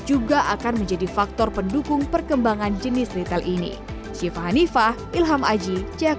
dan juga akan menjadi faktor pendukung perkembangan jenis retail ini